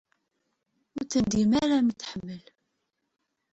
ur tendim ara mi tt-tḥemmel.